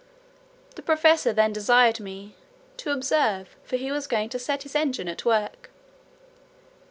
The professor then desired me "to observe; for he was going to set his engine at work."